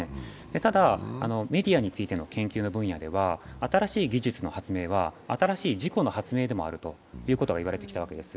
ただ、メディアについての研究の分野では新しい技術の発明は新しい事故の発明でもあると言われてきたわけです。